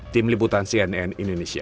tim liputan cnn indonesia